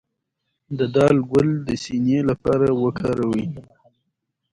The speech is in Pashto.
د دال ګل د سینې لپاره وکاروئ